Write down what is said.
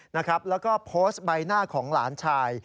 แล้วก็โพสต์ใบหน้าของหลานชาย